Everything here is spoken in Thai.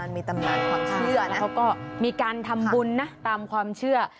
มีตำนานความเชื่อแล้วเขาก็มีการทำบุญนะตามความเชื่อ